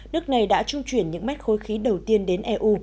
nước này đã trung chuyển những mét khối khí đầu tiên đến eu